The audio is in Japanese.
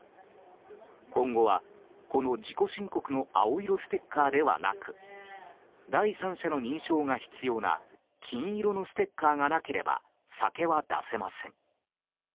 今後はこの自己申告の青色ステッカーではなく第三者の認証が必要な金色のステッカーがなければ酒は出せません。